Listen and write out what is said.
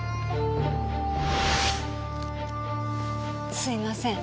すいません。